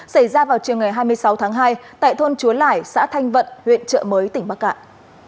xảy ra vào chiều ngày hai mươi sáu tháng hai tại thôn chúa lẻi xã thanh vận huyện trợ mới tỉnh bắc cạn